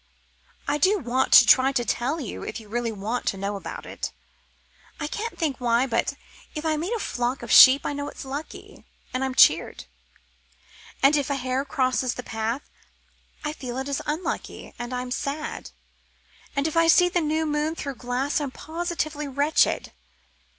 I do want to try to tell you if you really want to know about it. I can't think why, but if I meet a flock of sheep I know it is lucky, and I'm cheered; and if a hare crosses the path I feel it is unlucky, and I'm sad; and if I see the new moon through glass I'm positively wretched.